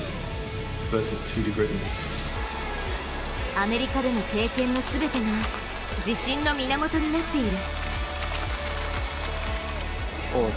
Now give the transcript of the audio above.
アメリカでの経験の全てが自信の源になっている。